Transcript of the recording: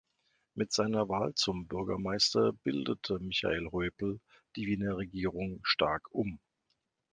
Mit seiner Wahl zum Bürgermeister bildete Michael Häupl die Wiener Regierung stark um.